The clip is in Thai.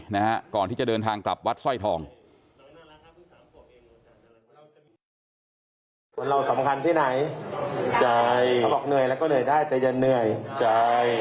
เป็นชาวพุทธที่ดี